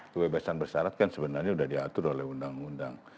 kebebasan bersyarat kan sebenarnya sudah diatur oleh undang undang